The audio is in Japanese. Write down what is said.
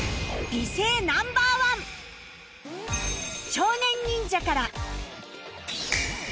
少年忍者から